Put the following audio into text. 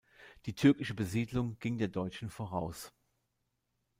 Die türkische Besiedlung ging der deutschen voraus.